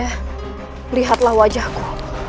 kanda lihatlah wajahku